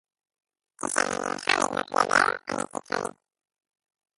כשאני נלחם לבנות גדר אני קיצוני